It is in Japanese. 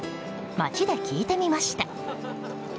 街で聞いてみました。